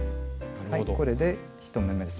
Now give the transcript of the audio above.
これで１目めです。